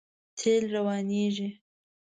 تېل روانېږي.